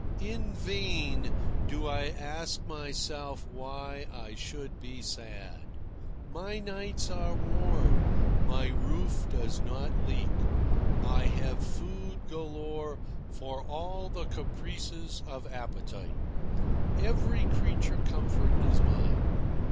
In vain do I ask myself why I should be sad. My nights are warm. My roof does not leak. I have food galore for all the caprices of appetite. Every creature comfort is mine.